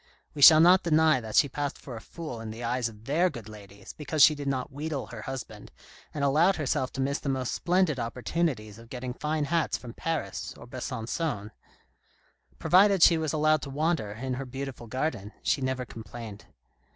We shall not deny that she passed for a fool in the eyes of their good ladies because she did not wheedle her husband, and allowed herself to miss the most splendid opportunities of getting fine hats from Paris or Besancon. Provided she was allowed to wander in her beautiful garden, she never complained.